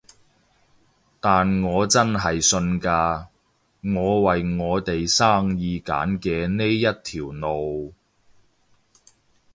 但我真係信㗎，我為我哋生意揀嘅呢一條路